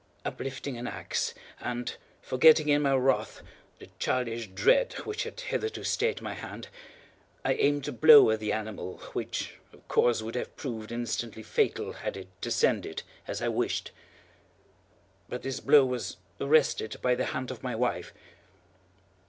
Uplifting an axe, and forgetting, in my wrath, the childish dread which had hitherto stayed my hand, I aimed a blow at the animal which, of course, would have proved instantly fatal had it descended as I wished. But this blow was arrested by the hand of my wife.